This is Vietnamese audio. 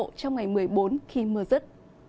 trong ngày một mươi bốn khi mưa rứt